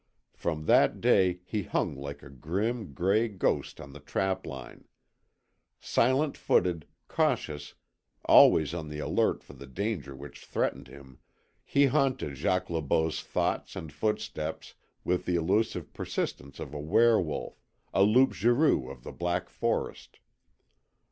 From that day he hung like a grim, gray ghost to the trapline. Silent footed, cautious, always on the alert for the danger which threatened him, he haunted Jacques Le Beau's thoughts and footsteps with the elusive persistence of a were wolf a loup garou of the Black Forest.